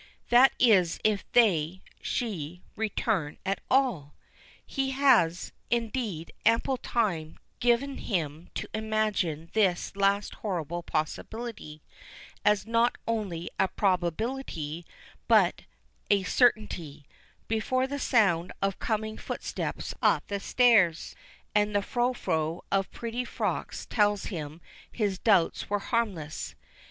That is if they she return at all! He has, indeed, ample time given him to imagine this last horrible possibility as not only a probability, but a certainty, before the sound of coming footsteps up the stairs and the frou frou of pretty frocks tells him his doubts were harmless.